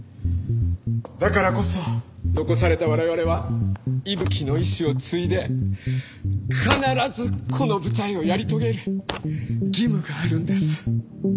だからこそ残された我々は伊吹の遺志を継いで必ずこの舞台をやり遂げる義務があるんです。